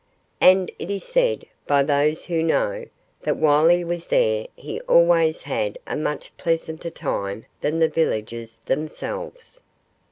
And it is said, by those who know, that while he was there he always had a much pleasanter time than the villagers themselves.